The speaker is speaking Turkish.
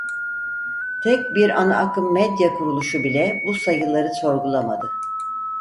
Tek bir ana akım medya kuruluşu bile bu sayıları sorgulamadı.